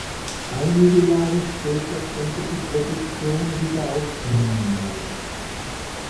Einige Jahre später konnte die Produktion wieder aufgenommen werden.